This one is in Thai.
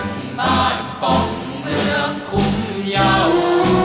ผมบ้านป้องเมืองคุมเยา